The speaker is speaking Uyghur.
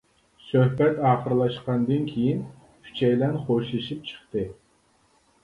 سۆھبەت ئاخىرلاشقاندىن كېيىن ئۈچەيلەن خوشلىشىپ چىقتى.